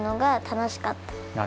楽しかった。